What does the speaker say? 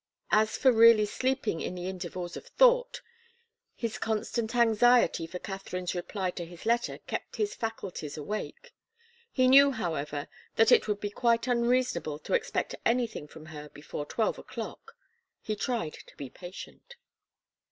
As for really sleeping in the intervals of thought, his constant anxiety for Katharine's reply to his letter kept his faculties awake. He knew, however, that it would be quite unreasonable to expect anything from her before twelve o'clock. He tried to be patient.